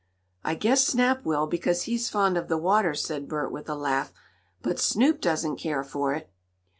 "I guess Snap will, because he's fond of the water," said Bert, with a laugh. "But Snoop doesn't care for it."